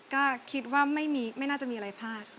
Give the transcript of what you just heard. ก็คิดว่าไม่น่าจะมีอะไรพลาด